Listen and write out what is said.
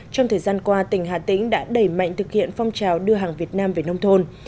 trong thời gian qua tỉnh hà tĩnh đã đẩy mạnh thực hiện phong trào đưa hàng việt nam về nông thôn